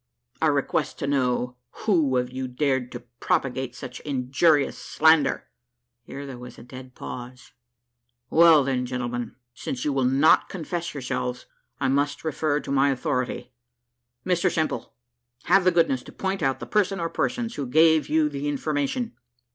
I request to know who of you dared to propagate such injurious slander?" (Here there was a dead pause.) "Well, then, gentlemen, since you will not confess yourselves, I must refer to my authority. Mr Simple, have the goodness to point out the person on persons who gave you the information."